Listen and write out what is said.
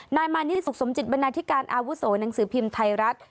มานิริสุขสมจิตบรรณาธิการอาวุโสหนังสือพิมพ์ไทยรัฐ